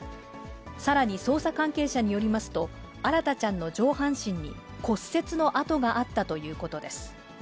さらに捜査関係者によりますと、新大ちゃんの上半身に骨折の痕があったということです。